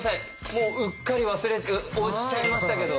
もううっかり忘れて押しちゃいましたけど。